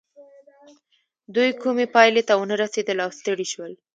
دوی کومې پايلې ته ونه رسېدل او ستړي شول.